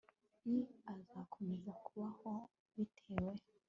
i azakomeza kubaho bitewe